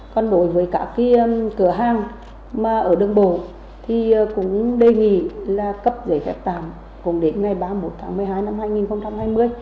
còn đối với cả cái cửa hàng mà ở đường bồ thì cũng đề nghị là cấp giấy phép tàm cùng đến ngày ba mươi một tháng một mươi hai năm hai nghìn hai mươi